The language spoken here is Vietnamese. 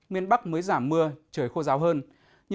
miền bắc mới giảm mưa trời khô ráo hơn